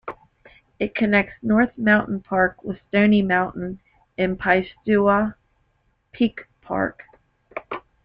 It connects North Mountain Park with Stony Mountain and Piestewa Peak Park.